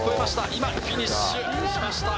今、フィニッシュしました。